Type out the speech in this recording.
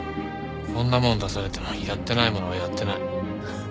こんなもの出されてもやってないものはやってない。